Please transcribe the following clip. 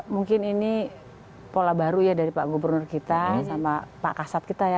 mungkin ini pola baru ya dari pak gubernur kita sama pak kasat kita ya